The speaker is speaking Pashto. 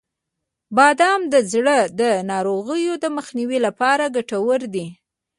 • بادام د زړه د ناروغیو د مخنیوي لپاره ګټور دي.